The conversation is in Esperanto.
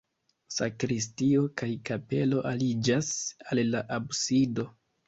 Sakristio kaj kapelo aliĝas al la absido.